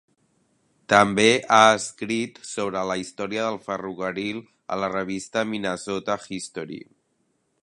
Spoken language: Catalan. També ha escrit sobre la història del ferrocarril a la revista Minnesota History.